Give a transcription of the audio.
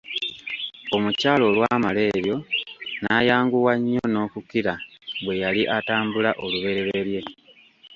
Omukyala olwamala ebyo nayanguwa nnyo nokukira bwe yali atambula olubereberye.